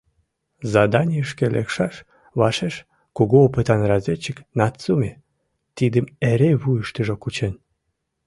Заданийышке лекшаш вашеш кугу опытан разведчик Нацуме тидым эре вуйыштыжо кучен.